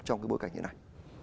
trong bối cảnh như thế này